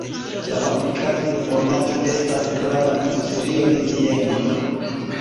La fabrikado de fromaĝo estas grava industrio de Vieno.